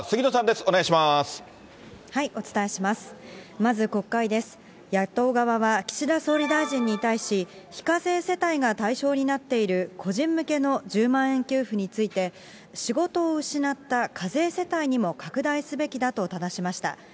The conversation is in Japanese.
野党側は、岸田総理大臣に対し、非課税世帯が対象になっている個人向けの１０万円給付について、仕事を失った課税世帯にも拡大すべきだとただしました。